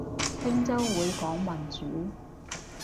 聽週會講民主